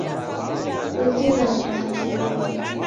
Kukuzighane na kilole.